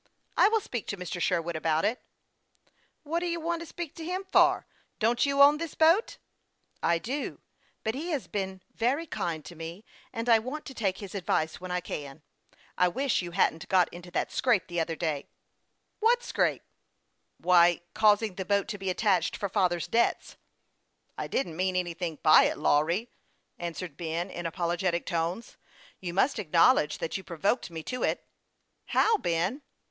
" I will speak to Mr. Sherwood about it." " What do you want to speak to him for ? Don't you own this boat ?" "I do ; but he has been very kind to me, and I want to take his advice when I can. I wish you hadn't got into that scrape the other day." THE YOUNG PILOT OF LAKE CHAMPLAIN. 265 " What scrape ?"" Why, causing the boat to be attached for fa ther's debts." " I didn't mean anything by it, Lawry," answered Ben, in apologetic tones. " You must acknowledge that you provoked me to it." "How, Ben?"